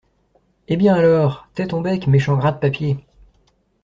Eh bien, alors… tais ton bec, méchant gratte-papier !